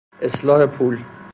اصلاح پول